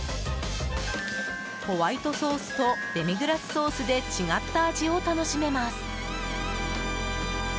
ホワイトソースとデミグラスソースで違った味を楽しめます。